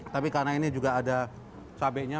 tapi karena ini juga ada cabainya